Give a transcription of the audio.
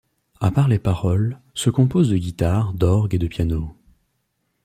À part les paroles, se compose de guitare, d'orgue et de piano.